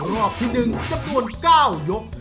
รอบที่๑จำนวน๙ยก